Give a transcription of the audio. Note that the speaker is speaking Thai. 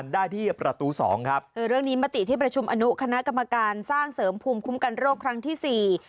ได้ที่ประตูสองครับเออเรื่องนี้มติที่ประชุมอนุคณะกรรมการสร้างเสริมภูมิคุ้มกันโรคครั้งที่สี่